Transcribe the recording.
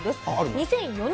２００４年